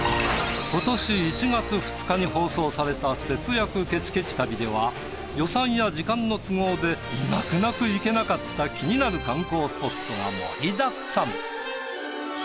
今年１月２日に放送された「節約ケチケチ旅」では予算や時間の都合で泣く泣く行けなかった気になる観光スポットが盛りだくさん。